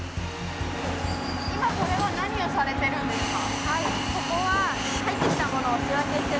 今これは何をされているんですか。